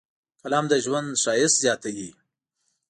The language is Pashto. قلم د ژوند ښایست زیاتوي